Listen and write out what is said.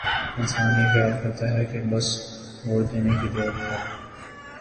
انسان یہ خیال کرتا ہے کہ بس ووٹ دینے کی دیر ہے۔